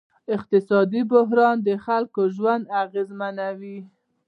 اقتصادي بحران د خلکو ژوند اغېزمنوي.